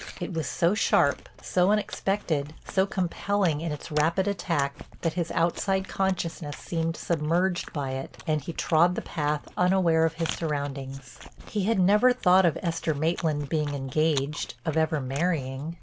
It was so sharp, so unexpected, so compelling in its rapid attack, that his outside consciousness seemed submerged by it and he trod the path unaware of his surroundings. He had never thought of Esther Maitland being engaged, of ever marrying.